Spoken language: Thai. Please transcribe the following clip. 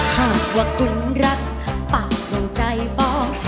หากว่าคุณรักปากในใจป้อง